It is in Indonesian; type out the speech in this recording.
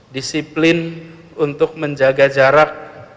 disiplin untuk menjaga jarak